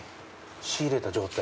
仕入れた状態。